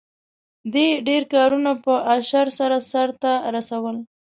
دې ډېر کارونه په اشر سره سرته رسول.